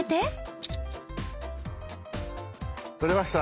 撮れました！